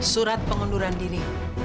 surat pengunduran diri